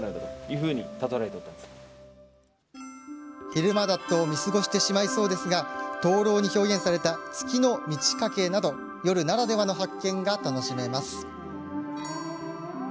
昼間だと見過ごしてしまいそうですが灯籠に表現された月の満ち欠けなど夜ならではの発見が楽しめます。